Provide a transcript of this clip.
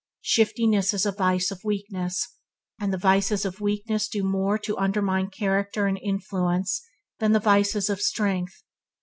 Shiftiness is a vice of weakness, and the vices of weakness do more to undermine character and influence than the vices of strength.